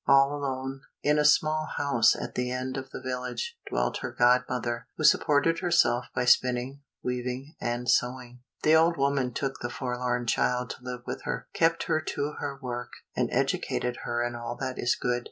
All alone, in a small house at the end of the village, dwelt her godmother, who supported herself by spinning, weaving, and sewing. The old woman took the forlorn child to live with her, kept her to her work, and educated her in all that is good.